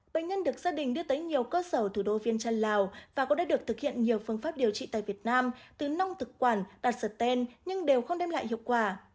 bệnh nhân được gia đình đưa tới nhiều cơ sở thủ đô viên trăn lào và cũng đã được thực hiện nhiều phương pháp điều trị tại việt nam từ nông thực quản đặt sật ten nhưng đều không đem lại hiệu quả